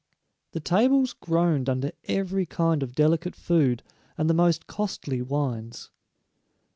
The tables groaned under every kind of delicate food and the most costly wines.